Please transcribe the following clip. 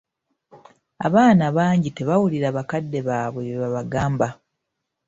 Abaana bangi tebawulira bakadde baabwe bye babagamba.